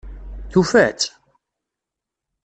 Tufa-tt?